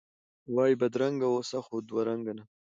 وایی بدرنګه اوسه، خو دوه رنګه نه!